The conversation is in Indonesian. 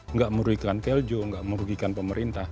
enggak merugikan kljo enggak merugikan pemerintah